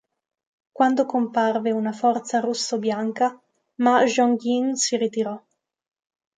Quando comparve una forza russo-bianca, Ma Zhongying si ritirò.